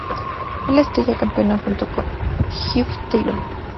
Es la estrella campeona, junto con Geoff Taylor.